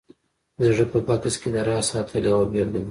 د زړه په بکس کې د راز ساتل یوه بېلګه ده